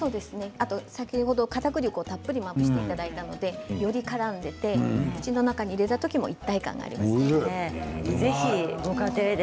先ほど、かたくり粉をたっぷりまぶしていただいたのでよりからんで口の中に入れた時に一体感があります。